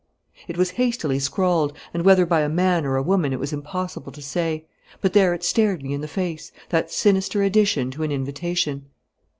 It was hastily scrawled, and whether by a man or a woman it was impossible to say; but there it stared me in the face, that sinister addition to an invitation.